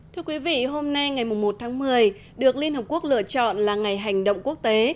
thưa quý vị hôm nay ngày một tháng một mươi được liên hợp quốc lựa chọn là ngày hành động quốc tế